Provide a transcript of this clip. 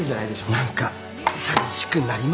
何かさみしくなりましたねぇ。